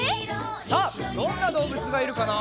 さあどんなどうぶつがいるかな？